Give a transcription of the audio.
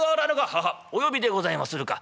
「ははっお呼びでございまするか」。